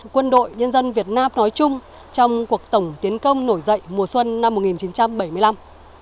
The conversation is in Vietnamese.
quân đội nhân dân việt nam nói chung trong cuộc tổng tiến công nổi dậy mùa xuân năm một nghìn chín trăm bảy mươi năm